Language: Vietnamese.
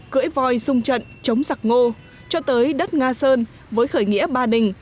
cưỡi voi sung trận chống giặc ngô cho tới đất nga sơn với khởi nghĩa ba đình